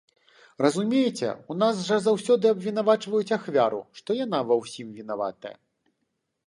Разумееце, у нас жа заўсёды абвінавачваюць ахвяру, што яна ва ўсім вінаватая.